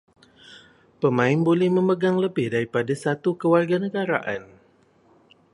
Pemain boleh memegang lebih daripada satu kewarganegaraan